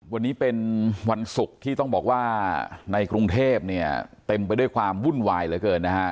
วันนี้เป็นวันศุกร์ที่ต้องบอกว่าในกรุงเทพเนี่ยเต็มไปด้วยความวุ่นวายเหลือเกินนะฮะ